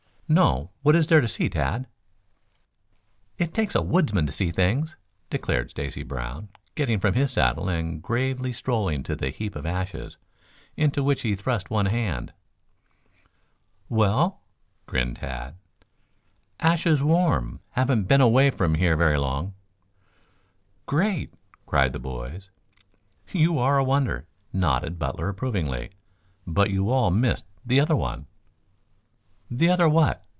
"No. What is there to see, Tad?" "It takes a woodsman to see things," declared Stacy Brown, getting from his saddle and gravely strolling to the heap of ashes, into which he thrust one hand. "Well?" grinned Tad. "Ashes warm. Haven't been away from here very long." "Great!" cried the boys. "You are a wonder," nodded Butler approvingly. "But you all missed the other one." "The other what?"